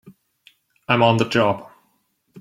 I'm on the job!